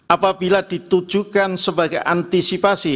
apabila ditujukan sebagai antisipasi